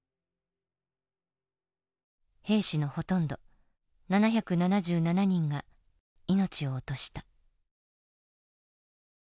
兵士のほとんど７７７人が命を落とした。